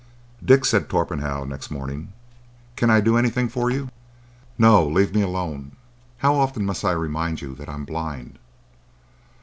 "Dick," said Torpenhow, next morning, "can I do anything for you?" "No! Leave me alone. How often must I remind you that I'm blind?"